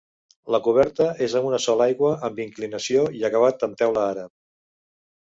La coberta és a una sola aigua amb inclinació i acabat en teula àrab.